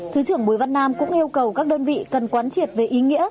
thứ trưởng bùi văn nam cũng yêu cầu các đơn vị cần quán triệt về ý nghĩa